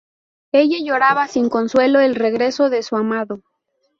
Ella lloraba sin consuelo el regreso de su amado.